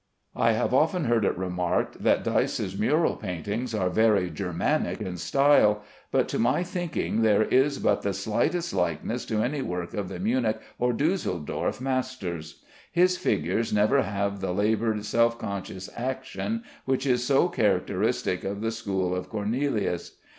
I have often heard it remarked that Dyce's mural paintings are very Germanic in style, but to my thinking there is but the slightest likeness to any work of the Munich or Dusseldorf masters. His figures never have the labored self conscious action which is so characteristic of the school of Cornelius.